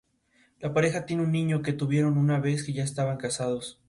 La pareja tiene un niño, que tuvieron una vez ya estaban casados.